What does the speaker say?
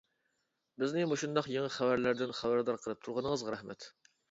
بىزنى مۇشۇنداق يېڭى خەۋەرلەردىن خەۋەردار قىلىپ تۇرغىنىڭىزغا رەھمەت.